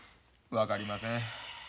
分かりません。